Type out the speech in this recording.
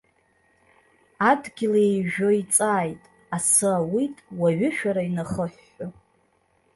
Адгьыл еҩжәо иҵааит, асы ауит уаҩышәара инахыҳәҳәо.